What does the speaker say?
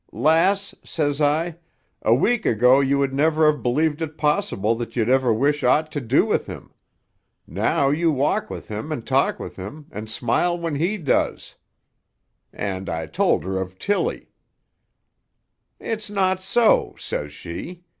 'Lass,' says I, 'a week ago you would never have believed it possible that you'd ever wish aught to do with him. Now you walk with him and talk with him, and smile when he does.' And I told her of Tilly. "'It's not so,' says she.